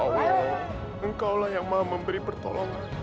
ya allah engkaulah yang maha memberi pertolongan